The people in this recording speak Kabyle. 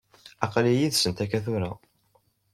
Aql-i yid-sent akka tura.